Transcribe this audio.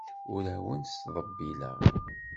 Ur awent-ttḍebbileɣ.